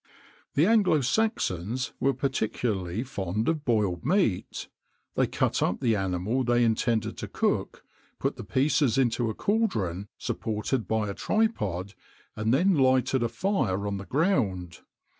[XXIX 76] The Anglo Saxons were particularly fond of boiled meat. They cut up the animal they intended to cook, put the pieces into a cauldron, supported by a tripod, and then lighted a fire on the ground.